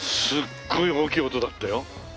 すっごい大きい音だったよ。